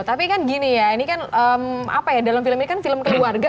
tapi kan gini ya ini kan apa ya dalam film ini kan film keluarga